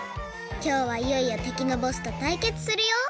きょうはいよいよてきのボスとたいけつするよ！